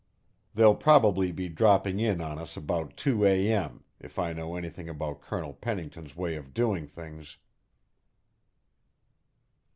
They'll probably be dropping in on us about two a.m., if I know anything about Colonel Pennington's way of doing things."